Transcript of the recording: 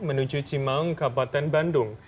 menuju cimaung kabupaten bandung